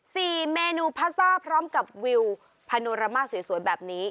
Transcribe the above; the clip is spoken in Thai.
สี่เมนูพาสต้าพร้อมกับวิวพาโนรามาสวยสวยแบบนี้